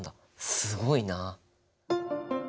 すごいな。